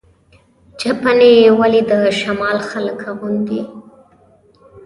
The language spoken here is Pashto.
چپنې ولې د شمال خلک اغوندي؟